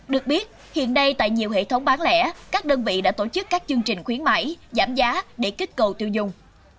được biết hiện đây tại nhiều hệ thống bán lẻ các đơn vị đã tổ chức các chương trình khuyến mải giảm giá để kích cầu tiêu dùng